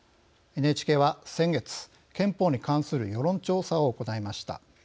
ＮＨＫは先月、憲法に関する世論調査を行いました。